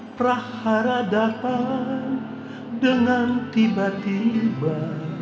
praharadhatta dengan tiba tiba